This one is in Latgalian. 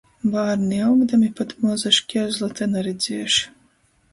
Bārni augdami pat moza škierzlota naredziejuši.